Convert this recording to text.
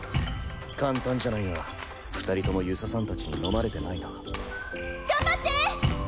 簡単じゃないが２人とも遊佐さん達にのまれてないな。頑張って！